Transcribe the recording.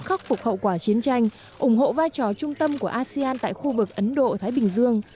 khắc phục hậu quả chiến tranh ủng hộ vai trò trung tâm của asean tại khu vực ấn độ thái bình dương